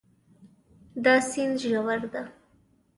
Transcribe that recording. دا سیند ژور ده